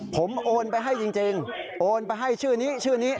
ผมโอนไปให้จริงโอนไปให้ชื่อนี้ชื่อนี้